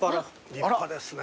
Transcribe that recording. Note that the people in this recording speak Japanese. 立派ですね。